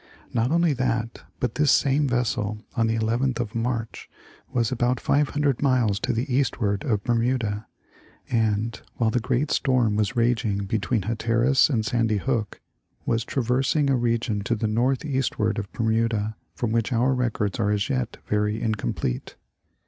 Not only that, but this same vessel on the 11th of March was about 500 miles to the eastward of Bermuda, and, while the great storm was raging between Hatteras and Sandy Hook, was traversing a region to the northeastward of Bermuda from which our records are as yet very incomplete.